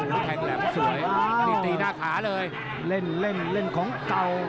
โอ้โหแถงแหลมสวยติดตีหน้าขาเลยเล่นเล่นเล่นของเก่า